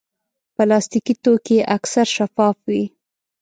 پلاستيکي توکي اکثر شفاف وي.